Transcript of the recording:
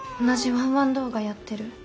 同じワンワン動画やってる。